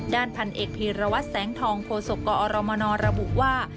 ด้านพันเอกพีรวัตรแสงทองโฆษกกอรมนระบุว่า